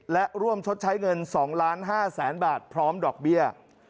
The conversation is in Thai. และร่วมชดใช้เงิน๒๕๐๐๐๐บาทพร้อมดอกเบี้ย